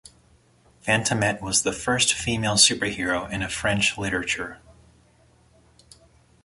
Fantomette was the first female superhero in French literature.